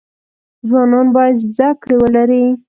ځوانان باید زده کړی ولری